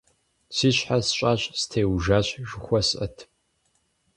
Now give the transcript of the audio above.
Си щхьэр сщӀащ – «стеужащ» жыхуэсӀэт.